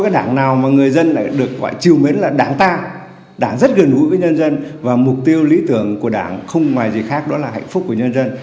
đảng rất gần gũi với nhân dân và mục tiêu lý tưởng của đảng không ngoài gì khác đó là hạnh phúc của nhân dân